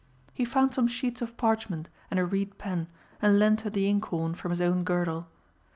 He found some sheets of parchment and a reed pen, and lent her the inkhorn from his own girdle.